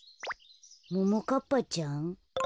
ももかっぱちゃん？